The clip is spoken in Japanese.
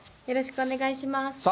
よろしくお願いします。